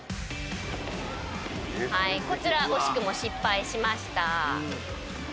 こちら惜しくも失敗しました。